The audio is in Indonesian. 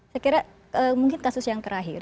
saya kira mungkin kasus yang terakhir